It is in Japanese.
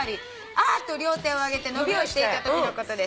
『あっ！』と両手を上げて伸びをしていたときのことです」